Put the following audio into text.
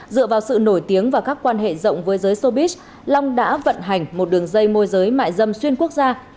dựa vào sự nổi tiếng và các quan hệ rộng với giới sobis long đã vận hành một đường dây môi giới mại dâm xuyên quốc gia